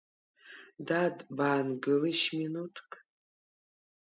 Дад, баангылишь минуҭк.